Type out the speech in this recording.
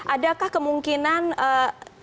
adakah kemungkinan yang lain